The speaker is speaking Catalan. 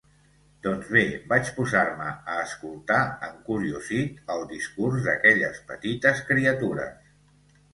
Doncs bé, vaig posar-me a escoltar, encuriosit, el discurs d'aquelles petites criatures.